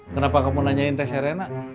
kenapa kamu nanyain tes arena